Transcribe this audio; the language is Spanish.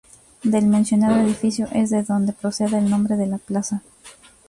Del mencionado edificio es de donde procede el nombre de la plaza.